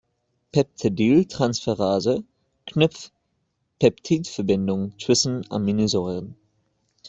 Peptidyltransferase knüpft Peptidbindungen zwischen Aminosäuren.